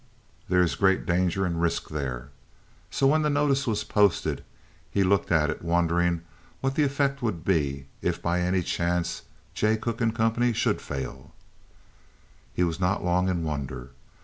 There is great danger and risk there." So when the notice was posted, he looked at it, wondering what the effect would be if by any chance Jay Cooke & Co. should fail. He was not long in wonder.